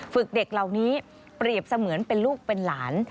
เด็กเหล่านี้เปรียบเสมือนเป็นลูกเป็นหลาน